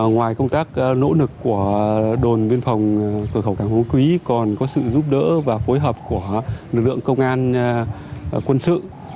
ngoài công tác nỗ lực của đồn biên phòng cửa khẩu cảng phú quý còn có sự giúp đỡ và phối hợp của lực lượng công an quân sự